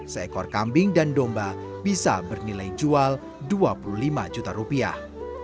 seekor kambing dan domba bisa bernilai jual dua puluh lima juta rupiah